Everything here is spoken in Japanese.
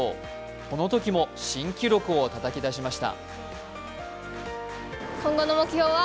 このときも新記録をたたき出しました。